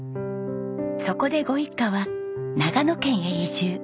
そこでご一家は長野県へ移住。